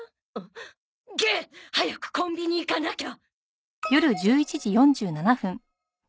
げっ！早くコンビニ行かなきゃ！